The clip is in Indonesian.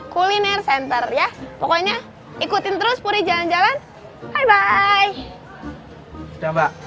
kuliner center ya pokoknya ikutin terus puri jalan jalan sudah mbak